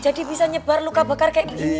jadi bisa nyebar luka bakar kayak gini